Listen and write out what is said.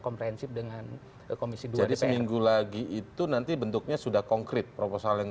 komprehensif dengan komisi dua jadi seminggu lagi itu nanti bentuknya sudah konkret proposal yang